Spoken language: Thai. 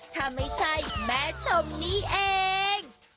ถ้าไม่ใช่แม่ชมนี่เอง